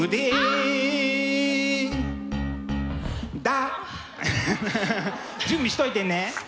「ダ」準備しといてね！